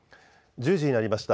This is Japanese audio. １０時になりました。